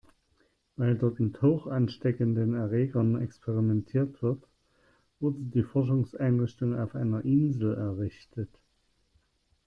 Weil dort mit hochansteckenden Erregern experimentiert wird, wurde die Forschungseinrichtung auf einer Insel errichtet.